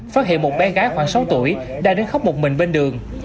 phát hiện một bé gái khoảng sáu tuổi đã đến khóc một mình bên đường